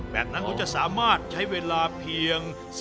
แบบนั้นผมจะสามารถใช้เวลาเพียง๑๕๒๐นาที